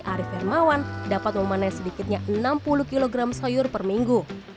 ari firmawan dapat memanai sedikitnya enam puluh kg sayur per minggu